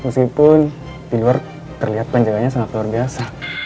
meskipun di luar terlihat panjawanya sangat luar biasa